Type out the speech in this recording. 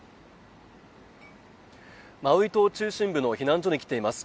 マウイ島中心部の避難所に来ています